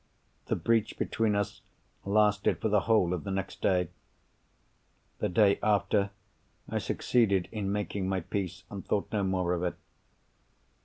The breach between us lasted for the whole of the next day. The day after, I succeeded in making my peace, and thought no more of it.